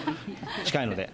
近いので。